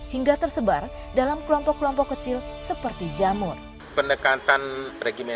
hingga tersebar dalam kelompok kelompok kecil seperti jamur